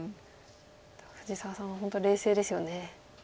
藤沢さんは本当冷静ですよね。